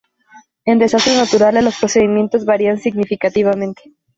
En desastres naturales los procedimientos varían significativamente.